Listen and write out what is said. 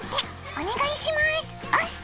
お願いしますおす！